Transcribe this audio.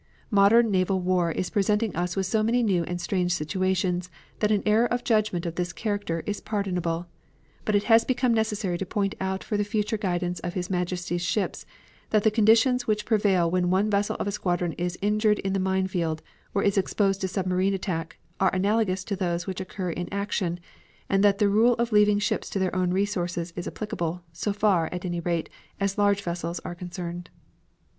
Modern naval war is presenting us with so many new and strange situations that an error of judgment of this character is pardonable. But it has become necessary to point out for the future guidance of His Majesty's ships that the conditions which prevail when one vessel of a squadron is injured in the mine field, or is exposed to submarine attack, are analogous to those which occur in action, and that the rule of leaving ships to their own resources is applicable, so far, at any rate, as large vessels are concerned.